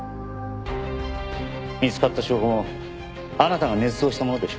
見つかった証拠もあなたが捏造したものでしょう。